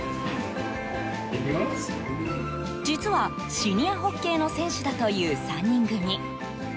実はシニアホッケーの選手だという３人組。